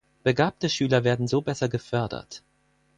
Begabte Schüler werden so besser gefördert.